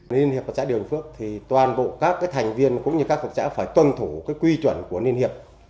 liên hiệp hợp tác xã điều phước thì toàn bộ các thành viên cũng như các hợp tác xã phải tuân thủ quy chuẩn của liên hiệp